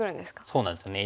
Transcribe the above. そうなんですよね。